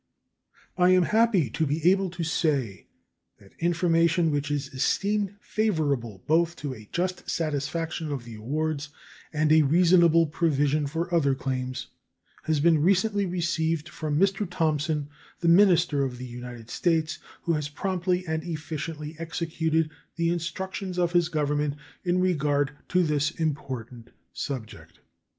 I am happy to be able to say that information which is esteemed favorable both to a just satisfaction of the awards and a reasonable provision for other claims has been recently received from Mr. Thompson, the minister of the United States, who has promptly and efficiently executed the instructions of his Government in regard to this important subject.